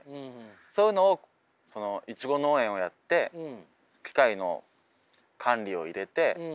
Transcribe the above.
そういうのをいちご農園をやって機械の管理を入れて。